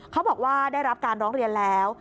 เขาบอกว่าได้รับการร้องเรียนแล้ว